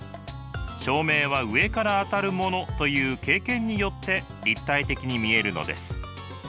照明は上から当たるものという経験によって立体的に見えるのです。